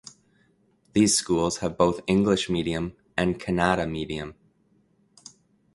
These schools have both English medium and Kannada medium.